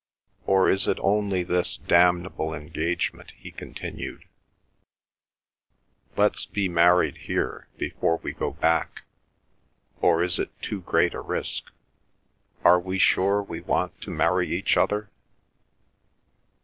"Or is it only this damnable engagement?" he continued. "Let's be married here, before we go back—or is it too great a risk? Are we sure we want to marry each other?"